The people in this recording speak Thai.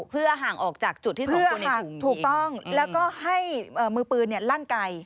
เพื่อห่างออกจากจุดที่สองคนอยู่ถูกจริงแล้วก็ให้มือปืนลั่งไกล